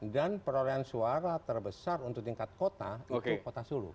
dan perolehan suara terbesar untuk tingkat kota itu kota solo